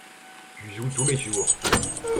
Tu joues tous les jours.